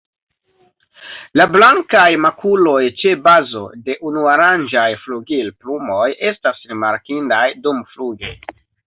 La blankaj makuloj ĉe bazo de unuarangaj flugilplumoj estas rimarkindaj dumfluge.